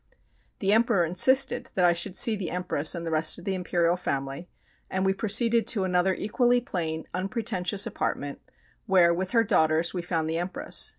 The Emperor insisted that I should see the Empress and the rest of the Imperial Family, and we proceeded to another equally plain, unpretentious apartment where, with her daughters, we found the Empress.